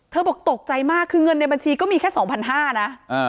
บอกตกใจมากคือเงินในบัญชีก็มีแค่๒๕๐๐นะ